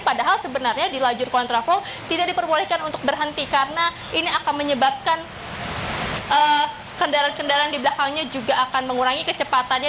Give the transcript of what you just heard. padahal sebenarnya di lajur kontraflow tidak diperbolehkan untuk berhenti karena ini akan menyebabkan kendaraan kendaraan di belakangnya juga akan mengurangi kecepatannya